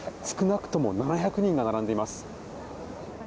少なくとも７００人が並んでいます。